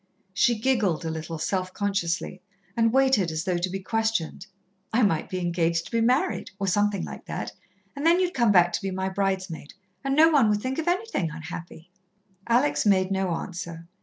She giggled a little, self consciously, and waited, as though to be questioned. "I might be engaged to be married, or something like that, and then you'd come back to be my bridesmaid, and no one would think of anything unhappy." Alex made no answer.